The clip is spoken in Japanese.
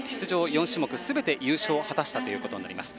４種目すべて優勝を果たしたことになります。